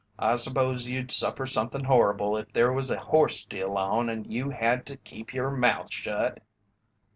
I suppose you'd suffer somethin' horrible if there was a horse deal on and you had to keep your mouth shut?"